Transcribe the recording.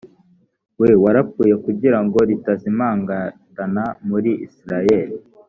we wapfuye kugira ngo ritazimangatana muri isirayeli